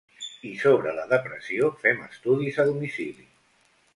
I sobre la depressió fem estudis a domicili.